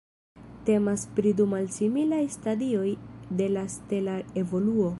Temas pri du malsimilaj stadioj de la stela evoluo.